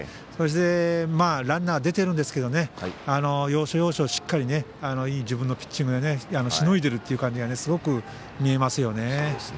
そして、ランナー出てるんですけど要所要所、しっかりいい自分のピッチングでしのいでいるという感じがすごく見えますよね。